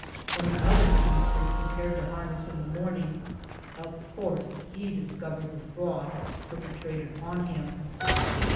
When the other teamster prepared to harness in the morning, of course he discovered the fraud perpetrated on him.